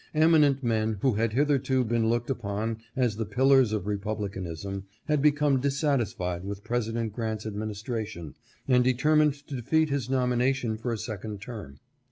Eminent men who had hitherto been looked upon as the pillars of republicanism had become dissatis fied with President Grant's administration, and deter mined to defeat his nomination for a second term.